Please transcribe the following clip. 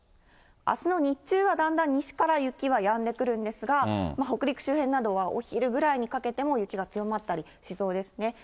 あすの日中はだんだん西から雪はやんでくるんですが、北陸周辺などはお昼ぐらいにかけても、雪が強まったりしそうですよね。